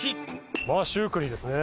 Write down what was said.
まあシュークリーですね。